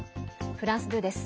フランス２です。